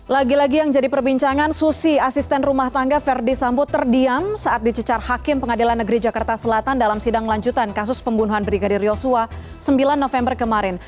lagi lagi yang jadi perbincangan susi asisten rumah tangga verdi sambo terdiam saat dicecar hakim pengadilan negeri jakarta selatan dalam sidang lanjutan kasus pembunuhan brigadir yosua sembilan november kemarin